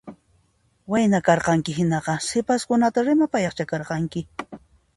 Wayna karqanki hinaqa sipaskunata rimapayaqcha karqanki